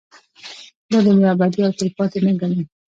دا دنيا ابدي او تلپاتې نه گڼي